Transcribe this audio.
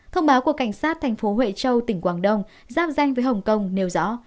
thông báo của cảnh sát thành phố huệ châu tỉnh quảng đông giáp danh với hồng kông nêu rõ